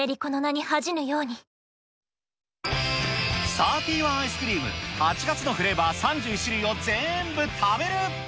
サーティワンアイスクリーム、８月のフレーバー３１種類を全部食べる。